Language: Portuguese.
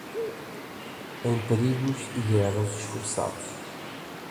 Em perigos e guerras esforçados